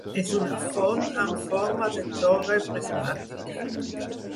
És una font amb forma de torre prismàtica.